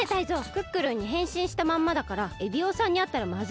クックルンにへんしんしたまんまだからエビオさんにあったらまずいんじゃないの？